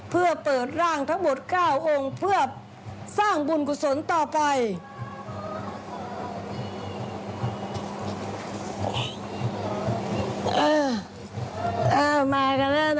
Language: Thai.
เออเออมากันแล้วนะเอากล้องเลย